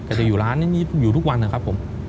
จะอยู่ร้านนี้อยู่ทุกวันนะครับผม